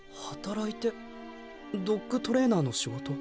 ドッグトレーナーの仕事？